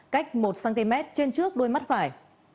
cách một cm trên trước đôi mắt phải